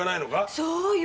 そうよ。